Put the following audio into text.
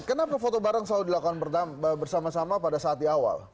kenapa foto bareng selalu dilakukan bersama sama pada saat di awal